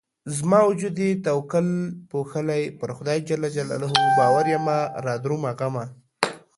زما وجود يې توکل پوښلی پر خدای ج باور يمه رادرومه غمه